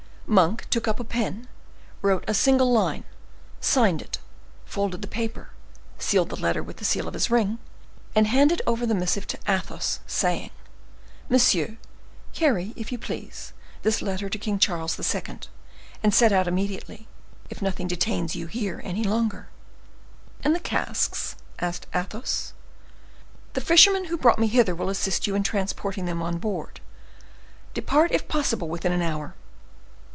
Monk took up a pen, wrote a single line, signed it, folded the paper, sealed the letter with the seal of his ring, and handed over the missive to Athos, saying, "Monsieur, carry, if you please, this letter to King Charles II., and set out immediately, if nothing detains you here any longer." "And the casks?" said Athos. "The fisherman who brought me hither will assist you in transporting them on board. Depart, if possible, within an hour."